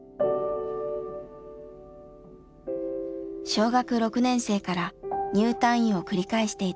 小学６年生から入退院を繰り返していた陽香さん。